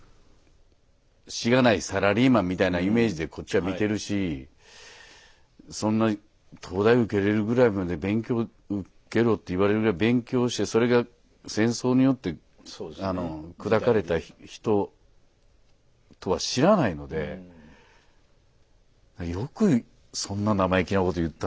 しがないサラリーマンみたいなイメージでこっちは見てるしそんな東大を受けれるぐらいまで勉強受けろと言われるぐらい勉強してそれが戦争によって砕かれた人とは知らないのでよくそんな生意気なこと言ったなって思いますよね。